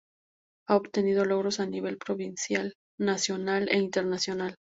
A obtenido logros a nivel provincial, nacional e internacional.